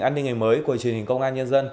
an ninh ngày mới của chương trình công an nhân dân